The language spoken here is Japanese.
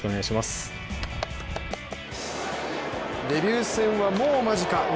デビュー戦はもう間近。